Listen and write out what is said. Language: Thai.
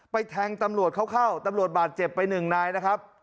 แทงตำรวจเข้าตำรวจบาดเจ็บไปหนึ่งนายนะครับ